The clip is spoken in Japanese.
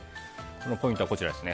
ポイントはこちらです。